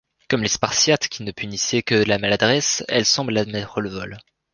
Comme les Spartiates qui ne punissaient que la maladresse, elle semble admettre le vol.